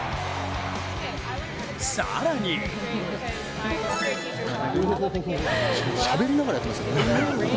更にしゃべりながらやってますよ。